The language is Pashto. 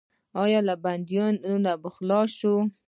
آیا بندیان به خلاص شي؟